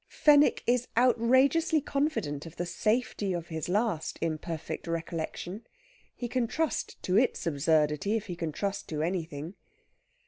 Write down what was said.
Fenwick is outrageously confident of the safety of his last imperfect recollection. He can trust to its absurdity if he can trust to anything.